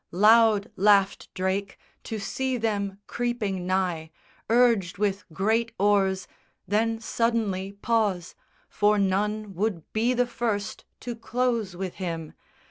Loud laughed Drake To see them creeping nigh, urged with great oars, Then suddenly pause; for none would be the first To close with him.